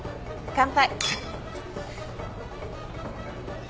乾杯。